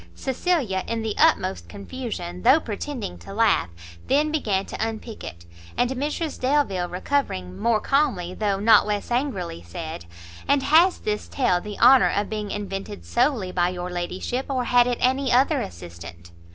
Cecilia, in the utmost confusion, though pretending to laugh, then began to unpick it; and Mrs Delvile, recovering, more calmly, though not less angrily, said "And has this tale the honour of being invented solely by your ladyship, or had it any other assistant?"